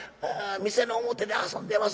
店の表で遊んでます